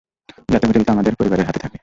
যাতে হোটেলটা আমাদের পরিবারের হাতে থাকে।